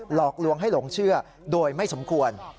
หลอกลวงให้หลงเชื่อโดยไม่สมควร